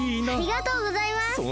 ありがとうございます。